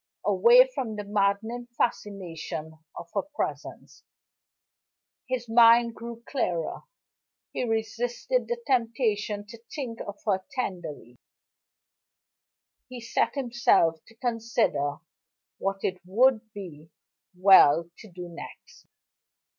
Away from the maddening fascination of her presence, his mind grew clearer. He resisted the temptation to think of her tenderly; he set himself to consider what it would be well to do next.